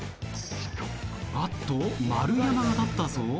あっと丸山が立ったぞ。